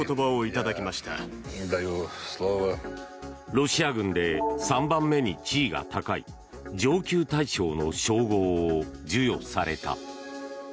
ロシア軍で３番目に地位が高い上級大将の称号を授与された。